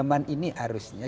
teman teman ini harusnya